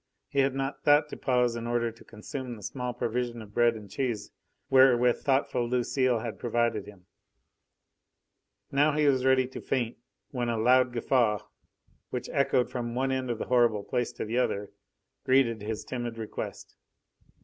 He had not thought to pause in order to consume the small provision of bread and cheese wherewith thoughtful Lucile had provided him. Now he was ready to faint when a loud guffaw, which echoed from one end of the horrible place to the other, greeted his timid request.